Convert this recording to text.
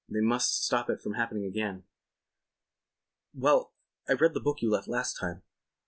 They must stop it from happening again. "Well, I read the book you left last time."